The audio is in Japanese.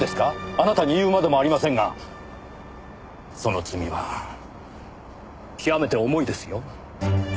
あなたに言うまでもありませんがその罪は極めて重いですよ。